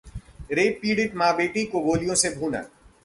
rape पीड़ित मां-बेटी को गोलियों से भूना